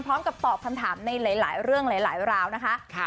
พร้อมกับตอบคำถามในหลายเรื่องหลายราวนะคะ